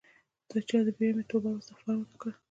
د چا د بیرې مې توبه او استغفار ونه کړ